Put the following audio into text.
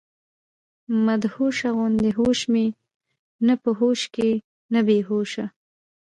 مدهوشه غوندي هوش مي نۀ پۀ هوش کښې نۀ بي هوشه